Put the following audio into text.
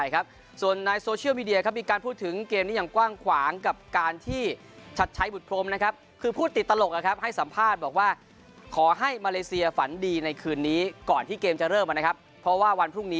ก็วันนี้ขอสู้ต่อไปแล้วกัน